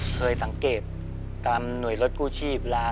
เคยสังเกตตามหน่วยรถกู้ชีพลา